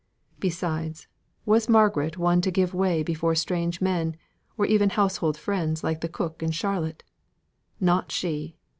Besides, was Margaret one to give way before strange men, or even household friends like the cook and Charlotte? Not she!